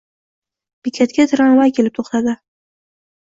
Bekatga tramvay kelib to’xtadi.